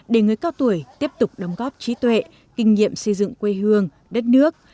để người cao tuổi tiếp tục đóng góp trí tuệ kinh nghiệm xây dựng quê hương đất nước